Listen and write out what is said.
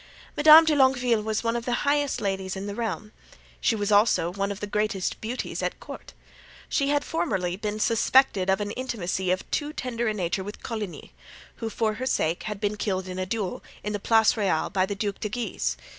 Madame de Longueville was one of the highest ladies in the realm; she was also one of the greatest beauties at court. She had formerly been suspected of an intimacy of too tender a nature with Coligny, who, for her sake, had been killed in a duel, in the Place Royale, by the Duc de Guise.